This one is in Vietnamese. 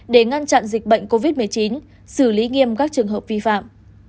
để ngăn chặn dịch bệnh covid một mươi chín xử lý nghiêm các trường hợp vi phạm